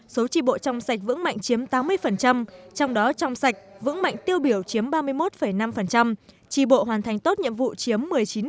số tri bộ trong sạch vững mạnh chiếm tám mươi trong đó trong sạch vững mạnh tiêu biểu chiếm ba mươi một năm trì bộ hoàn thành tốt nhiệm vụ chiếm một mươi chín